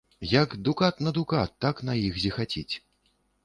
Як дукат на дукат, так на іх зіхаціць.